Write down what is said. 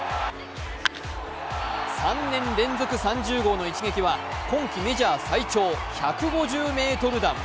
３年連続３０号の一撃は今季メジャー最長１５０ｍ弾。